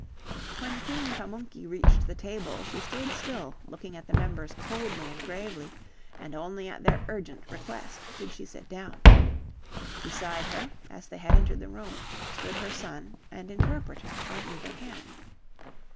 When Queen Pamunky reached the table she stood still looking at the members coldly and gravely, and only at their urgent request did she sit down. Beside her, as they had entered the room, stood her son and interpreter on either hand.